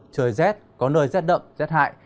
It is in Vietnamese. trời rét có nơi rét đậm rét hại